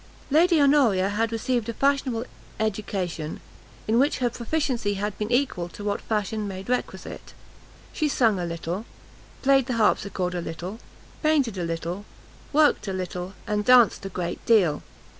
Lady Honoria had received a fashionable education, in which her proficiency had been equal to what fashion made requisite; she sung a little; played the harpsichord a little, painted a little, worked a little, and danced a great deal.